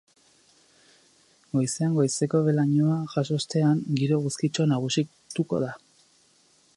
Goizean goizeko behe-lainoa jaso ostean, giro eguzkitsua nagusituko da.